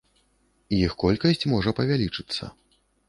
Іх колькасць можа павялічыцца.